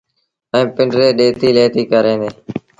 ائيٚݩ پنڊريٚ ڏيتي ليٿيٚ ڪريݩ دآ۔